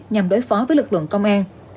nhằm đối phó với lực lượng công an